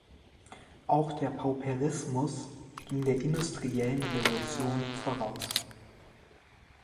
Auch der Pauperismus ging der Industriellen Revolution voraus.